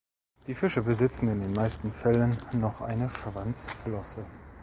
Die Fische besitzen in den meisten Fällen noch eine Schwanzflosse.